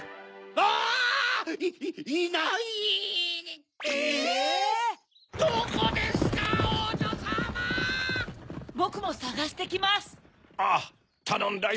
ああたのんだよ。